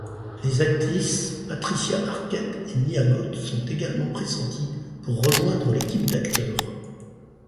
Les actrices Patricia Arquette et Mia Goth sont également pressenties pour rejoindre l'équipe d'acteurs.